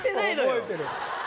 覚えてる。